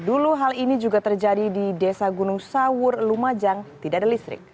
dulu hal ini juga terjadi di desa gunung sawur lumajang tidak ada listrik